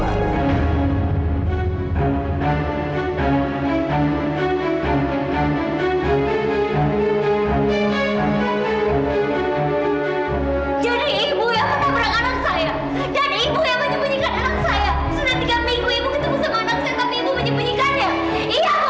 dan ibu yang menyembunyikan anak saya